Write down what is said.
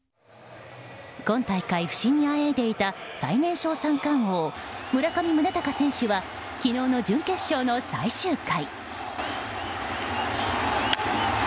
今大会、不振にあえいでいた最年少三冠王・村上宗隆選手は昨日の準決勝の最終回。